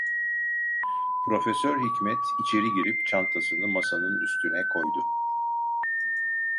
Profesör Hikmet içeri girip çantasını masanın üstüne koydu.